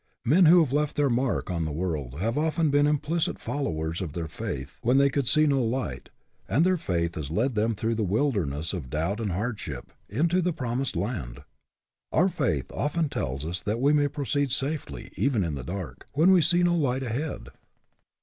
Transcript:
Men who have left their mark on the world have often been implicit followers of their faith when they could see no light, and their faith has led them through the wilderness of doubt and hardship into the promised land. Our faith often tells us that we may proceed safely even in the dark, when we see no light ahead.